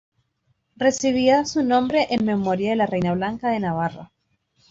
Recibía su nombre en memoria de la reina Blanca de Navarra.